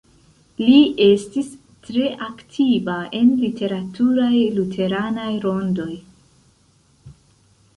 Li estis tre aktiva en literaturaj luteranaj rondoj.